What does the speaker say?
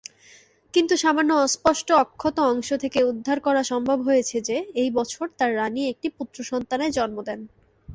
কিন্তু সামান্য অস্পষ্ট অক্ষত অংশ থেকে উদ্ধার করা সম্ভব হয়েছে যে, এই বছর তার রাণী একটি পুত্রসন্তানের জন্ম দেন।